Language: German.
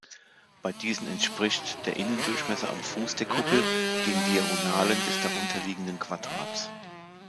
Bei diesen entspricht der Innendurchmesser am Fuß der Kuppel den Diagonalen des darunterliegenden Quadrats.